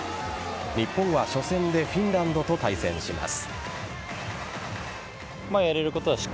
日本は初戦でフィンランドと対戦します。